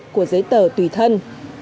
của giấy tờ tùy thân